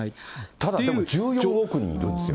ただ１４億人いるんですよ。